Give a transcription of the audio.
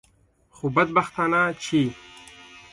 خو بدبختانه چې.